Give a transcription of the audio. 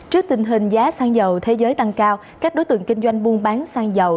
trước tình hình giá xăng dầu thế giới tăng cao các đối tượng kinh doanh buôn bán xăng dầu